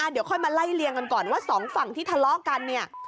เดี๋ยวค่อยมาไล่เลี่ยงกันก่อนว่าสองฝั่งที่ทะเลาะกันเนี่ย